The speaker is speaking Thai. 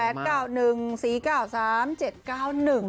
ดูว่าจะเป็น๔๔๗๘๙๑๔๙๓๗๙๑